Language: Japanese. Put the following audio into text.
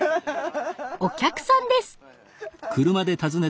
お客さんです。